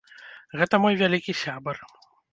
Гэта мой вялікі сябар.